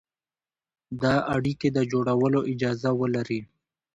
د اړيکې د جوړولو اجازه ولري،